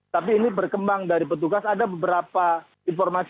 tapi ini berkembang dari petugas ada beberapa informasi